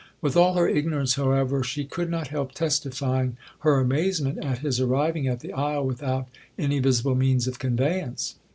With all her ignorance, however, she could not help testifying her amazement at his arriving at the isle without any visible means of conveyance.